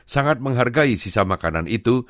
sangat menghargai sisa makanan itu